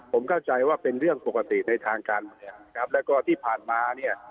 ผมเข้าใจว่าเป็นเรื่องปกติในทางการเมืองครับแล้วก็ที่ผ่านมาเนี่ย